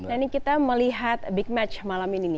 dan ini kita melihat big match malam ini